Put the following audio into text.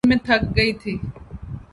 لیکن میں تھک گئی تھی